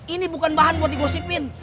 ini bukan bahan buat digosipin